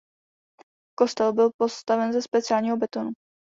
Kostel byl postaven ze speciálního betonu.